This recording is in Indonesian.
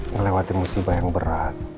ngelewati musibah yang berat